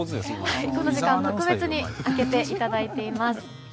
今日は特別に開けていただいています。